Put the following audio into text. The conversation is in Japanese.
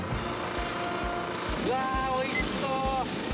いやー、おいしそう。